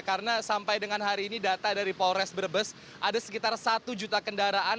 karena sampai dengan hari ini data dari polres brebes ada sekitar satu juta kendaraan